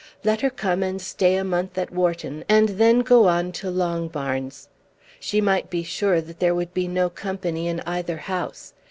Let her come and stay a month at Wharton, and then go on to Longbarns. She might be sure that there would be no company in either house.